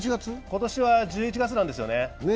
今年は１１月なんですよね。